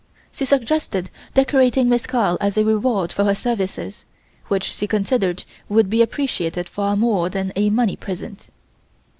She suggested decorating Miss Carl as a reward for her services, which she considered would be appreciated far more than a money present.